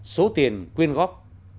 số tiền quyên góp